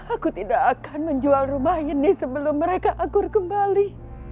aku tidak akan menjual rumah ini sebelum mereka akur kembali